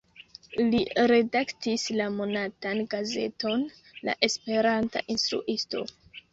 Li redaktis la monatan gazeton "La Esperanta Instruisto".